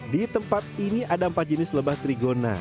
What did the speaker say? di tempat ini ada empat jenis lebah trigona